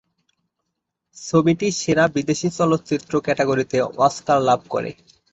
ছবিটি সেরা বিদেশি চলচ্চিত্র ক্যাটাগরিতে অস্কার লাভ করে।